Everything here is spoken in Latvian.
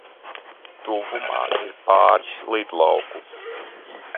Tuvumā ir pāris lidlauku.